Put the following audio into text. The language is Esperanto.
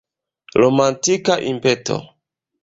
Romantika impeto.